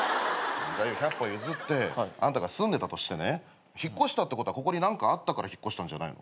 百歩譲ってあんたが住んでたとしてね引っ越したってことはここに何かあったから引っ越したんじゃないの？